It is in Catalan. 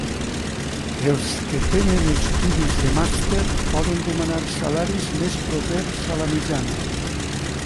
Els que tenen estudis de màster poden demanar salaris més propers a la mitjana.